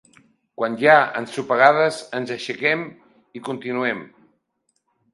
Quan hi ha ensopegades ens aixequem i continuem.